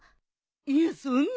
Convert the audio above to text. いやそんな。